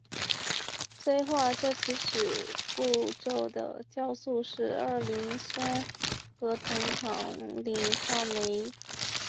催化这起始步骤的酵素是二磷酸核酮糖羧化酶。